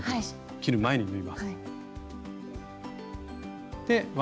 切る前に縫います。